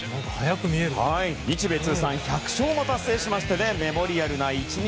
日米通算１００勝も達成しましてメモリアルな１日。